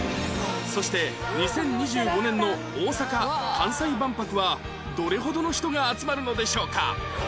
そして２０２５年の大阪・関西万博はどれほどの人が集まるのでしょうか？